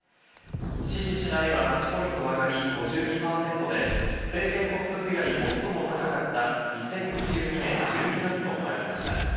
支持しないは８ポイント上がり５２％で、政権発足以来、最も高かった２０２２年１２月と並びました。